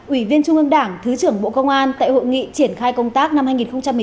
ủy viên trung ương đảng thứ trưởng bộ công an tại hội nghị triển khai công tác năm hai nghìn một mươi chín